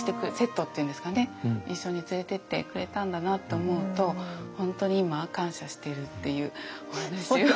一緒に連れてってくれたんだなと思うと本当に今感謝してるっていうお話を。